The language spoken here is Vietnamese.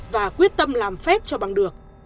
và quyết tâm làm phép cho bằng được